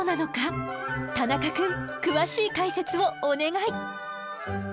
田中くん詳しい解説をお願い！